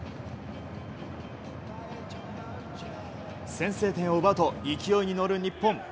先制点を奪うと勢いに乗る日本。